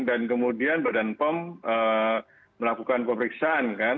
dan kemudian badan pom melakukan pemeriksaan